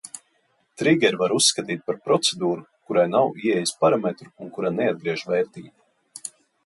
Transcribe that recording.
Trigeri var uzskatīt par procedūru, kurai nav ieejas parametru un kura neatgriež vērtību.